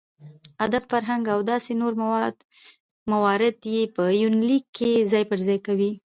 اداب ،فرهنګ او داسې نور موارد يې په يونليک کې ځاى په ځاى کوي .